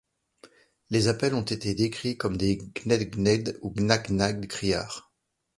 Les appels ont été décrits comme des gned gned ou gnaad gnaad criards.